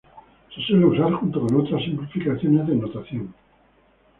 Se suele usar junto con otras simplificaciones de notación.